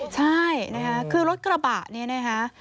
อ๋อใช่คือรถกระบะนี่นะฮะ